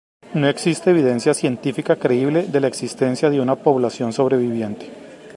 No existe evidencia científica creíble de la existencia de una población sobreviviente.